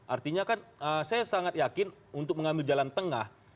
artinya kan saya sangat yakin untuk mengambil jalan tengah